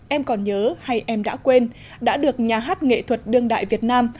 em còn nhớ hay em đã quên đã được nhà hát nghệ thuật đương đại việt nam